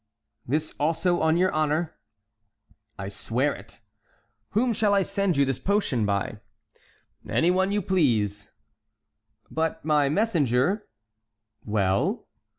"This also on your honor?" "I swear it!" "Whom shall I send you this potion by?" "Any one you please." "But my messenger"— "Well?"